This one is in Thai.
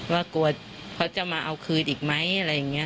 ว่ากลัวเขาจะมาเอาคืนอีกไหมอะไรอย่างนี้